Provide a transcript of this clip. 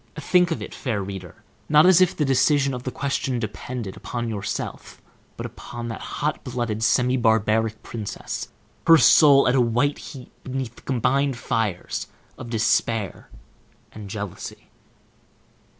Think of it, fair reader, not as if the decision of the question depended upon yourself, but upon that hot blooded, semi barbaric princess, her soul at a white heat beneath the combined fires of despair and jealousy.